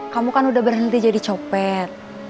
kamu kan udah berhenti jadi copet